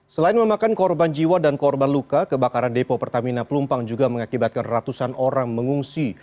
selain memakan korban jiwa dan korban luka kebakaran depo pertamina pelumpang juga mengakibatkan ratusan orang mengungsi